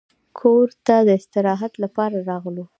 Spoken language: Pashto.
کور ته د استراحت لپاره راغلو.